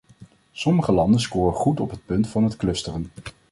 Sommige landen scoren goed op het punt van het clusteren.